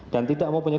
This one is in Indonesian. dan tidak mempunyai